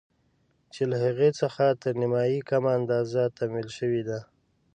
چې له هغې څخه تر نيمايي کمه اندازه تمويل شوې ده.